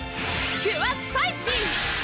キュアスパイシー！